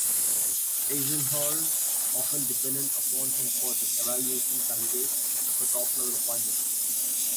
Eisenhower often depended upon him for the evaluation candidates for top-level appointments.